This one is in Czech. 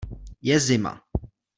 Je zima.